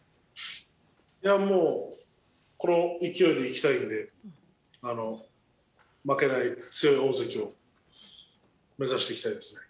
この勢いでいきたいんで、負けない、強い大関を目指していきたいです。